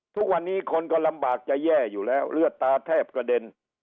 ทุกวันนี้คนก็ลำบากจะแย่อยู่แล้วเลือดตาแทบกระเด็น